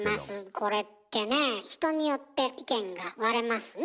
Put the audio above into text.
これってね人によって意見が割れますね。